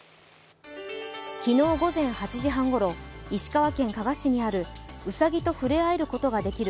昨日午前８時半ごろ石川県加賀市にあるうさぎと触れあえることができる